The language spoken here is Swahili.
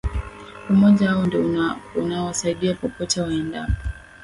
Umoja wao ndio unaowasaidia popote waendapo